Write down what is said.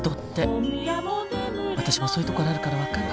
私もそういうところあるから分かる。